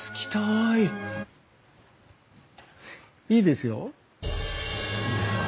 いいですか？